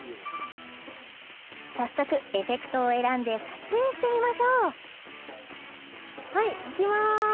早速エフェクトを選んで撮影してみましょうはいいきます